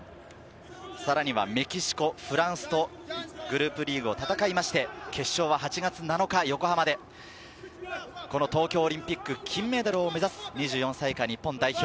さらにはメキシコ、フランスと、グループリーグを戦いまして、決勝は８月７日横浜で、この東京オリンピック、金メダルを目指す２４歳以下、日本代表。